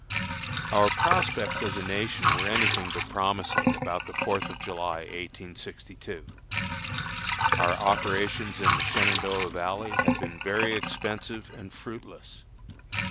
Our prospects as a nation were any thing but promising about the fourth of July, 1862. Our operations in the Shenandoah Valley had been very expensive and fruitless.